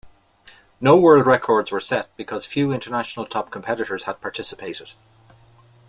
No world records were set, because few international top competitors had participated.